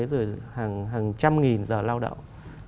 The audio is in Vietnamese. rồi hàng trăm nghìn giờ lao động